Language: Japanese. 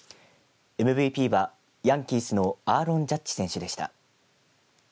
ＭＶＰはヤンキースのアーロン・ジャッジ選手でした。